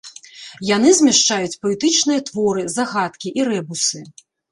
Яны змяшчаюць паэтычныя творы, загадкі і рэбусы.